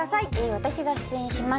私が出演します